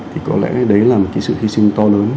thì có lẽ đấy là một cái sự hy sinh to lớn